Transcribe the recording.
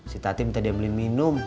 si tati minta dia beli minum